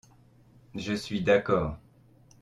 Je suis d’accord.